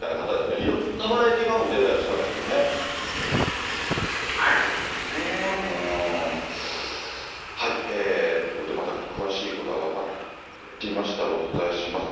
いろんなバラエティー番組、そうですね。ということでまた、詳しいことが分かりましたら、お伝えします。